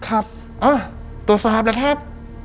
อ้าโทรศามเลยครับ